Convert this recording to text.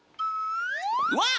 わっ！